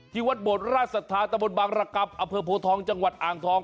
ที่วัดโบดราชสถาทะบนบังระกับอเภอโพทองจังหวัดอ่างทอง